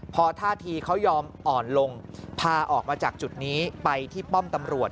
พอท่าทีเขายอมอ่อนลงพาออกมาจากจุดนี้ไปที่ป้อมตำรวจ